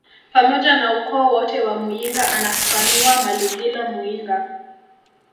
pamoja na ukoo wote wa muyinga anafafanua Malugila Muyinga